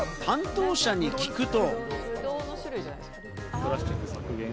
担当者に聞くと。